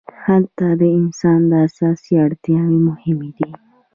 هلته د انسان اساسي اړتیاوې مهمې دي.